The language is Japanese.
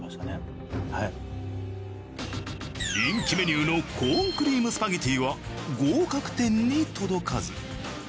人気メニューのコーンクリームスパゲティは合格点に届かず。